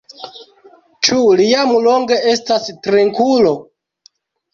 Ĉu li jam longe estas trinkulo?